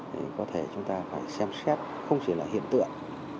thì có thể chúng ta phải xem xét không chỉ là hiện tượng